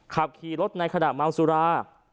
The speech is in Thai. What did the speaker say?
ขับขี่รถในขณะเมาสุรา